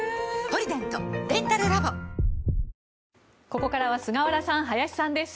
ここからは菅原さん、林さんです。